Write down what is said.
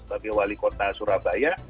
sebagai wali kota surabaya